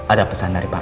ada pesan dari bupanti